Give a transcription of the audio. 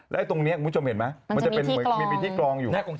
แล้วอยู่ตรงนี้มีที่กรอง